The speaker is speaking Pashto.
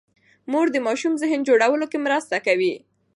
مور د ماشوم ذهن جوړولو کې مرسته کوي.